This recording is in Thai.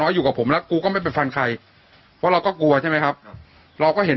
อยู่กับผมแล้วกูก็ไม่ไปฟันใครเพราะเราก็กลัวใช่ไหมครับเราก็เห็น